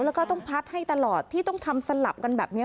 แล้วก็ต้องพัดให้ตลอดที่ต้องทำสลับกันแบบนี้